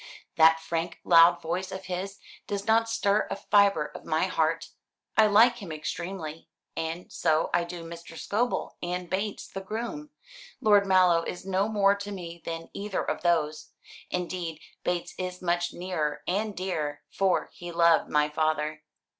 That frank loud voice of his does not stir a fibre of my heart. I like him extremely, and so I do Mr. Scobel, and Bates the groom. Lord Mallow is no more to me than either of those. Indeed, Bates is much nearer and dearer, for he loved my father."